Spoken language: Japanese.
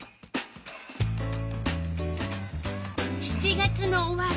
７月の終わり。